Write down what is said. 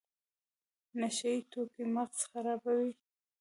نشه یي توکي مغز خرابوي